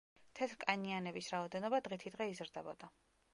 თეთრკანიანების რაოდენობა დღითიდღე იზრდებოდა.